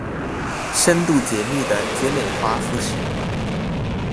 深度解密的絕美華服史